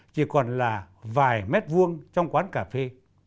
chỉ còn là vài mét vuông trong quán cà phê